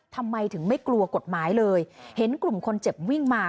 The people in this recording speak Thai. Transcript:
ทำไมถึงไม่กลัวกฎหมายเลยเห็นกลุ่มคนเจ็บวิ่งมา